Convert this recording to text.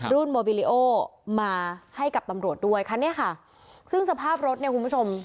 โมบิริโอมาให้กับตำรวจด้วยคันนี้ค่ะซึ่งสภาพรถเนี่ยคุณผู้ชม